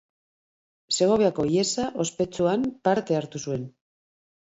Segoviako ihesa ospetsuan parte hartu zuen.